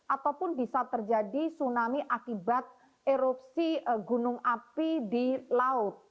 ataupun bisa terjadi tsunami akibat erupsi gunung api di laut